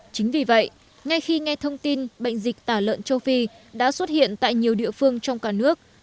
chính vì vậy ngay khi nghe thông tin bệnh dịch tả lợn châu phi đã xuất hiện tại nhiều địa phương trong cả nước